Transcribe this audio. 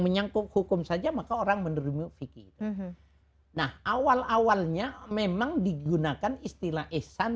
menyangkut hukum saja maka orang menerima fikir nah awal awalnya memang digunakan istilah ihsan